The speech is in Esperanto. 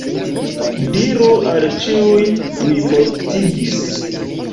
Diru al ĉiuj “mi mortigis”.